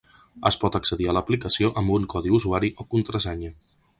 Es pot accedir a l’aplicació amb un codi usuari o contrasenya.